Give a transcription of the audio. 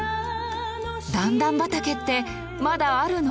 「段々畑」ってまだあるの？